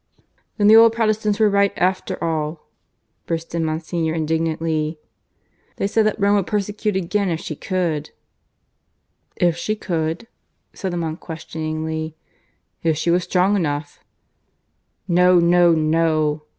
"Then the old Protestants were right after all," burst in Monsignor indignantly; "they said that Rome would persecute again if she could." "If she could?" said the monk questioningly. "If she was strong enough." "No, no, no!"